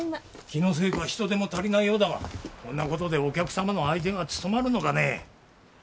気のせいか人手も足りないようだがこんな事でお客様の相手が務まるのかね。